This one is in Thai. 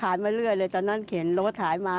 มาเรื่อยเลยตอนนั้นเข็นรถขายมา